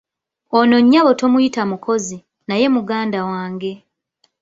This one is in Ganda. Ono nnyabo tomuyita mukozi , naye muganda wange.